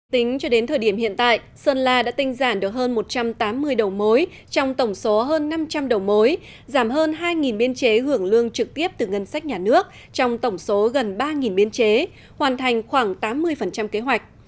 tính cho đến thời điểm hiện tại sơn la đã tinh giản được hơn một trăm tám mươi đầu mối trong tổng số hơn năm trăm linh đầu mối giảm hơn hai biên chế hưởng lương trực tiếp từ ngân sách nhà nước trong tổng số gần ba biên chế hoàn thành khoảng tám mươi kế hoạch